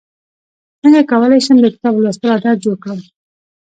څنګه کولی شم د کتاب لوستلو عادت جوړ کړم